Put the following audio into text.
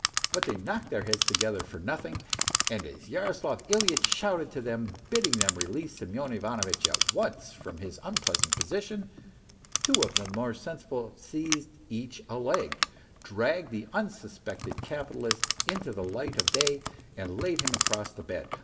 But they knocked their heads together for nothing, and as Yaroslav Ilyitch shouted to them, bidding them release Semyon Ivanovitch at once from his unpleasant position, two of the more sensible seized each a leg, dragged the unsuspected capitalist into the light of day and laid him across the bed.